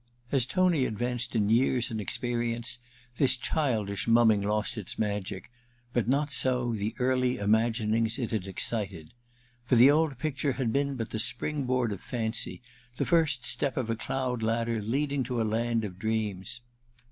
As Tony advanced in years and experience this childish mumming lost its magic ; but not so the early imaginings it had excited. For the old picture had been but the spring board of fancy, the first step of a cloud ladder leading to a land of dreams.